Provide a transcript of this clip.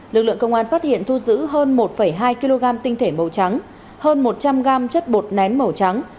lực lượng công an phát hiện thu giữ hơn một hai kg tinh thể màu trắng hơn một trăm linh g chất bột nén màu trắng